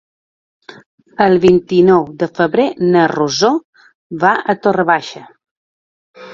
El vint-i-nou de febrer na Rosó va a Torre Baixa.